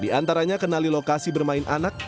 di antaranya kenali lokasi bermain anak